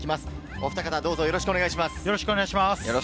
おふた方、どうぞよろしくお願いします。